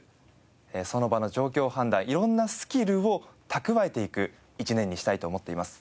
その場の状況判断色んなスキルを蓄えていく１年にしたいと思っています。